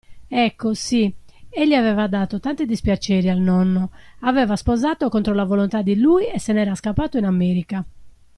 Ecco, sì, egli aveva dato tanti dispiaceri al nonno: aveva sposato contro la volontà di lui e se n'era scappato in America.